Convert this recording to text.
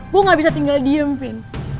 gue gak bisa tinggal diem fin